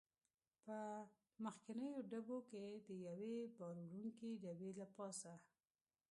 په مخکنیو ډبو کې د یوې بار وړونکې ډبې له پاسه.